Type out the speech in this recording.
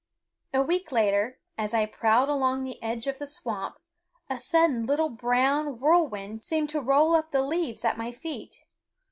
A week later, as I prowled along the edge of the swamp, a sudden little brown whirlwind seemed to roll up the leaves at my feet.